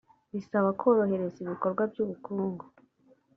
bisaba korohereza ibikorwa by ubukungu